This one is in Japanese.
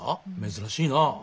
珍しいな。